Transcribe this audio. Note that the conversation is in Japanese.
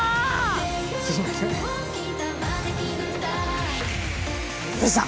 すみません。